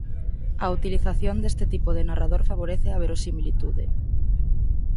A utilización deste tipo de narrador favorece a verosimilitude.